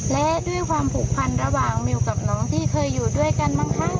และด้วยความผูกพันระหว่างมิวกับน้องที่เคยอยู่ด้วยกันบางครั้ง